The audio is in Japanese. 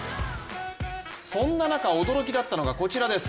そんな中、驚きだったのがこちらです。